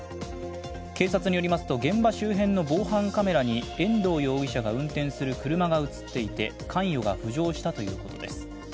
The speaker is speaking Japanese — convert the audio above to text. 警察によりますと現場周辺の防犯カメラに遠藤容疑者が運転する車が映っていて関与が浮上したということです。